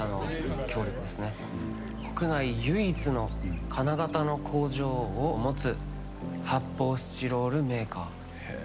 国内唯一の金型の工場を持つ発泡スチロールメーカー。